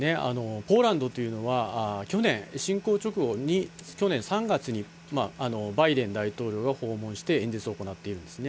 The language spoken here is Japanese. ポーランドというのは、去年、侵攻直後に、去年３月に、バイデン大統領が訪問して、演説を行っているんですね。